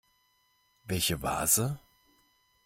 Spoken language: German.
Welche Vase?